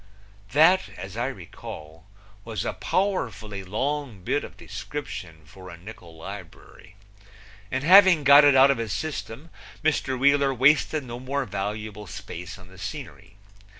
That, as I recall, was a powerfully long bit of description for a nickul librury, and having got it out of his system Mr. Wheeler wasted no more valuable space on the scenery.